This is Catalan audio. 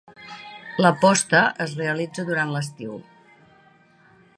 La posta es realitza durant l'estiu.